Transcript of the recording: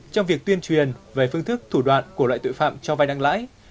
trong việc tuyên truyền về phương thức thủ đoạn của loại tội phạm cho vai nặng lãi